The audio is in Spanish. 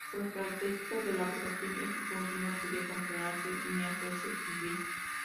Por las características de la votación, este punto no podía controlarse ni hacerse cumplir.